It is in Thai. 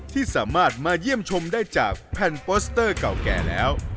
ที่สามารถมาเยี่ยมชมได้จากแผ่นโปสเตอร์เก่าแก่แล้ว